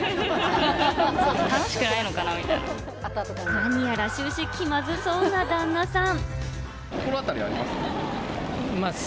なにやら終始気まずそうな旦那さん。